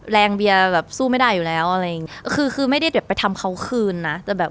แรงเบี้ยแบบสู้ไม่ได้อยู่แล้วอะไรคือไม่ได้เรียบไปทำเขาคืนน่ะจะแบบ